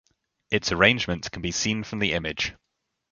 Its arrangement can be seen from the image.